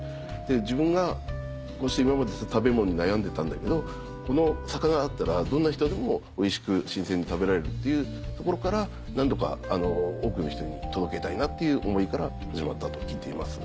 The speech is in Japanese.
自分がこうして今まで食べ物に悩んでたんだけどこの魚だったらどんな人でもおいしく新鮮に食べられるっていうところから何とか多くの人に届けたいなっていう思いから始まったと聞いています。